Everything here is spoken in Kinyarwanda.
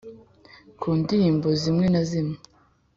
ku ndirimbo zimwe na zimwe